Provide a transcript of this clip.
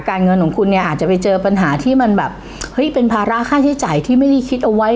เงินของคุณเนี่ยอาจจะไปเจอปัญหาที่มันแบบเฮ้ยเป็นภาระค่าใช้จ่ายที่ไม่ได้คิดเอาไว้